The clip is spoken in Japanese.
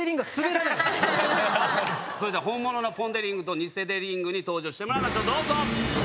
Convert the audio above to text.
それでは本物のポン・デ・リングとニセ・デ・リングに登場してもらいましょう。